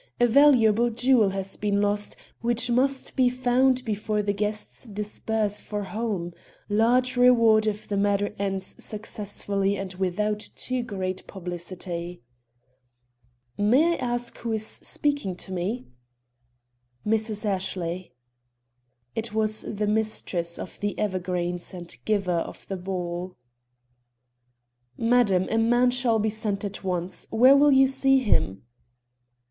A valuable jewel has been lost, which must be found before the guests disperse for home. Large reward if the matter ends successfully and without too great publicity." "May I ask who is speaking to me?" "Mrs. Ashley." It was the mistress of The Evergreens and giver of the ball. "Madam, a man shall be sent at once. Where will you see him?"